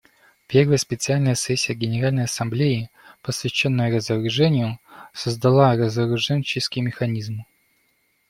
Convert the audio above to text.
Первая специальная сессия Генеральной Ассамблеи, посвященная разоружению, создала разоруженческий механизм.